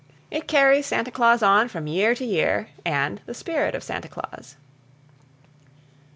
It carries Santa Claus on from year to year and the spirit of Santa Claus.